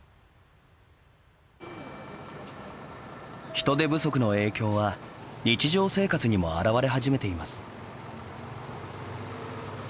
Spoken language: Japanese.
人手不足の影響は日常生活にも現れ始めています。